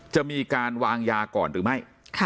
จะมีการวางยาก่อนหรือไม่